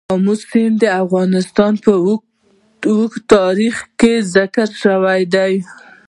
آمو سیند د افغانستان په اوږده تاریخ کې ذکر شوی دی.